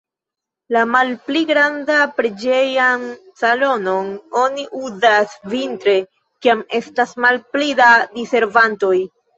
La malpli grandan preĝejan salonon oni uzas vintre, kiam estas malpli da diservantoj.